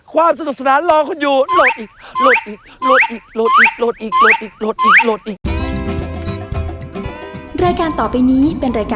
ความสนุกสนานรอคนอยู่โหลดอีกโหลดอีกโหลดอีกโหลดอีก